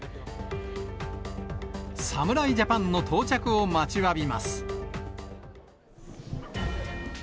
侍ジャパンの到着を待ちわびます。